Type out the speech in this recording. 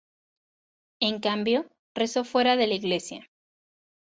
En cambio rezó fuera de la iglesia.